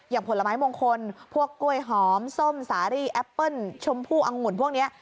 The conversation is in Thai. ผลไม้มงคลพวกกล้วยหอมส้มสารีแอปเปิ้ลชมพู่อังุ่นพวกนี้